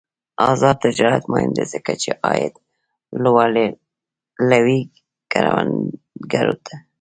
آزاد تجارت مهم دی ځکه چې عاید لوړوي کروندګرو.